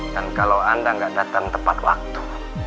dan kalau anda gak datang tepat waktu